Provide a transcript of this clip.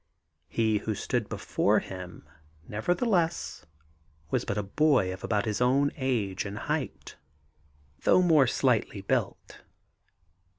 He who stood before him, nevertheless, was but a boy of about his own age and height, though more slightly built.